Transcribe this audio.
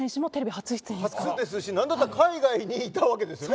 初ですし、なんだったら海外にいたわけですよね。